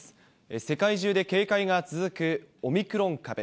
世界中で警戒が続くオミクロン株。